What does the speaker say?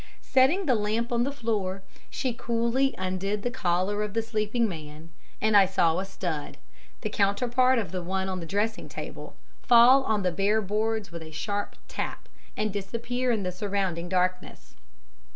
Setting the lamp on the floor, she coolly undid the collar of the sleeping man, and I saw a stud, the counterpart of the one on the dressing table, fall on the bare boards with a sharp tap, and disappear in the surrounding darkness.